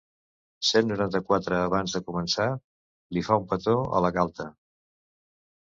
Cent noranta-quatre abans de començar, li fa un petó a la galta.